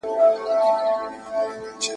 په ګاونډ کي توتکۍ ورته ویله ,